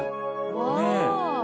わあ！